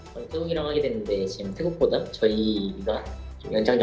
kita berada di thailand tapi kita lebih banyak berusaha dari thailand